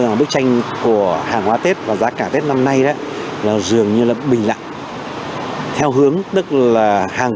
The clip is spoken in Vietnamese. rằng bức tranh của hàng hóa tết và giá cả tết năm nay dường như là bình lặng theo hướng tức là hàng